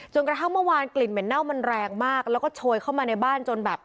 กระทั่งเมื่อวานกลิ่นเหม็นเน่ามันแรงมากแล้วก็โชยเข้ามาในบ้านจนแบบ